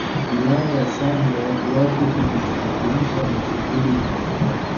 Wilaya ya Same watu wake hujishuhulisha na shughuli mbalimbali